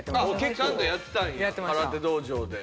ちゃんとやってたんや空手道場で。